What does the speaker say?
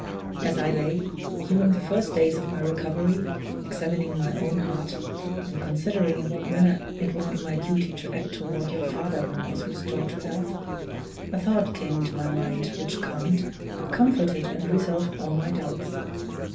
As I lay, during the first days of my recovery, examining my own heart, and considering in what manner it would be my duty to act toward your father when I was restored to health, a thought came into my mind which calmed, comforted, and resolved all my doubts.